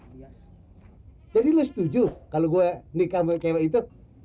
hai jadi lu setuju kalau gue nikah ke itu